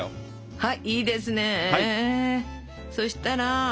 はい。